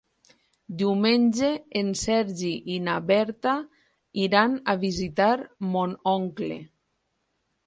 Diumenge en Sergi i na Berta iran a visitar mon oncle.